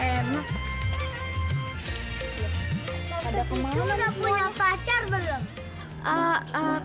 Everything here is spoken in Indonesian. tante kiki udah punya pacar belum